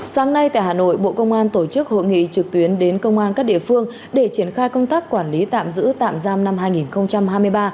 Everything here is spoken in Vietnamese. sáng nay tại hà nội bộ công an tổ chức hội nghị trực tuyến đến công an các địa phương để triển khai công tác quản lý tạm giữ tạm giam năm hai nghìn hai mươi ba